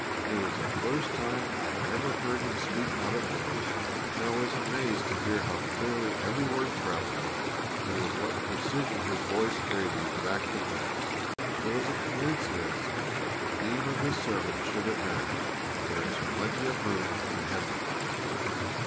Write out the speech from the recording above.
It was the first time I ever heard him speak out of doors, and I was amazed to hear how clearly every word travelled, and with what precision his voice carried the exact effect. It was a coincidence that the theme of his sermon should have been, "There is plenty of room in Heaven."